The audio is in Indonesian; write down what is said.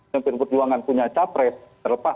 yang pdi perjuangan punya capres terlepas